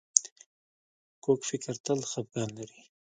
کوږ فکر تل خپګان لري